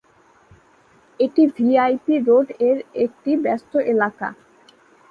এটি ভিআইপি রোড-এর একটি ব্যস্ত এলাকা।